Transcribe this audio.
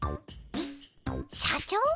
えっ社長？